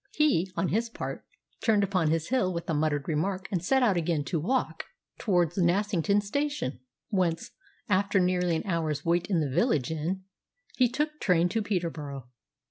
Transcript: He, on his part, turned upon his heel with a muttered remark and set out again to walk towards Nassington Station, whence, after nearly an hour's wait in the village inn, he took train to Peterborough.